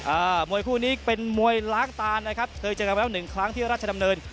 มวยคู่นี้เป็นมวยล้างตานะครับเคยเจอกันไปแล้วหนึ่งครั้งที่ราชดำเนิน